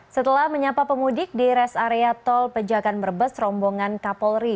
setelah menyapa pemudik di res area tol pejakan brebes rombongan kapolri